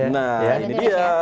nah ini dia